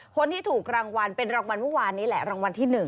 คนที่ถูกรางวัลเป็นรางวัลเมื่อวานนี้แหละรางวัลที่๑